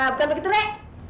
bukan begitu nek